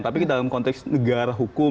tapi dalam konteks negara hukum